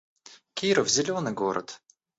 Киров — зелёный город